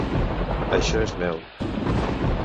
Això és mel!